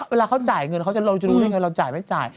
เวลาเขาจ่ายเงินเราจะรู้ว่าจะจ่ายไม่จ่าย